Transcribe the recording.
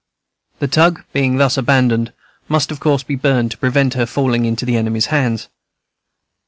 The tug, being thus abandoned, must of course be burned to prevent her falling into the enemy's hands.